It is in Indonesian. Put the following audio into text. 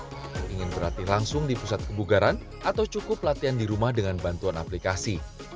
ingin berlatih langsung di pusat kebugaran atau cukup latihan di rumah dengan bantuan aplikasi